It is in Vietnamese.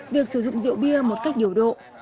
việc sử dụng rượu bia một cách điều độ